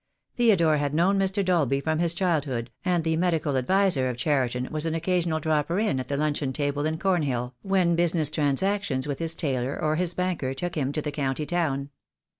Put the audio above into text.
Theodore had known Mr. Dolby from his childhood, and the medical adviser of Cheriton was an occasional dropper in at the luncheon table in Cornhill, when business transactions with his tailor or his banker took him to the County town.